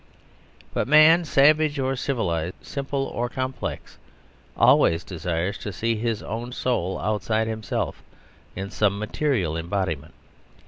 But man, savage or civilised, simple or complex always desires to see his own soul outside himself; in some material embodiment.